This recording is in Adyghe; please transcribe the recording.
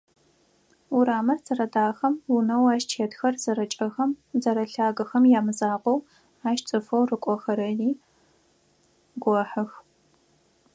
Урамыр зэрэдахэм, унэу ащ тетхэр зэрэкӏэхэм, зэрэлъагэхэм ямызакъоу, ащ цӏыфэу рыкӏохэрэри гохьых.